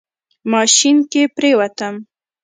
ماشين کې پرېوتم.